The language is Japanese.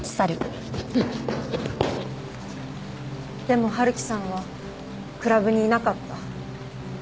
でも陽木さんはクラブにいなかった。